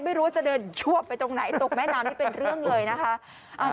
ไม่รู้ว่าจะเดินชวบไปตรงไหนตกแม่น้ำนี่เป็นเรื่องเลยนะคะ